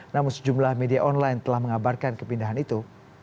namun sejumlah media online telah mengabarkan kepindahan itu